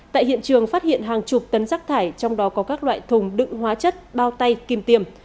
tại hiện trường phát hiện hàng chục tấn rác thải trong đó có các loại thùng đựng hóa chất bao tay kim tiềm